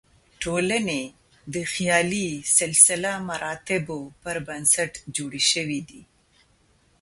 ټولنې د خیالي سلسله مراتبو پر بنسټ جوړې شوې دي.